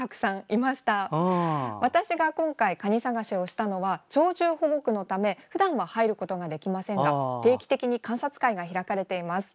今回、私がカニ探しをしたのは鳥獣保護区のため普段は入ることができませんが定期的に観察会が開かれています。